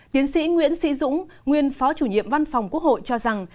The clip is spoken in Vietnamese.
tiến sĩ nguyễn sĩ dũng nguyên phó chủ nhiệm văn phòng quốc hội cho rằng